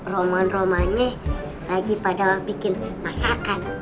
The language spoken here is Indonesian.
romanya romanya lagi pada bikin masakan